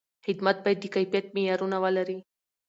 خدمت باید د کیفیت معیارونه ولري.